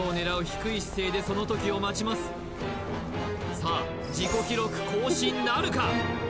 さあ自己記録更新なるか？